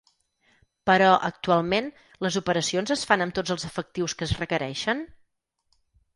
Però, actualment, les operacions es fan amb tots els efectius que es requereixen?